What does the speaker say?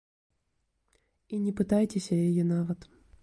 І не пытайцеся яе нават.